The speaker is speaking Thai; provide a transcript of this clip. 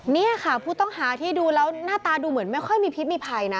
นี่ค่ะผู้ต้องหาที่ดูแล้วหน้าตาดูเหมือนไม่ค่อยมีพิษมีภัยนะ